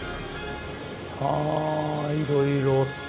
はあいろいろ。